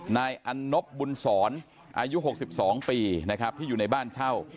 นายอันนบบุญศรอายุ๖๒ปีนะครับที่อยู่ในบ้านเช่า